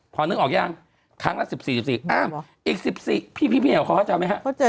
พอนึกออกยังครั้งละ๑๔๔อ้าวอีก๑๔พี่เขาเข้าใจไหมฮะ